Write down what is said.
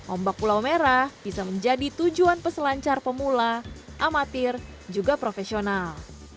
ombak pulau merah bisa menjadi tujuan peselancar pemula amatir juga profesional